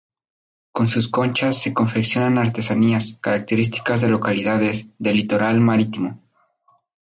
Con sus conchas se confeccionan artesanías, características de localidades del litoral marítimo.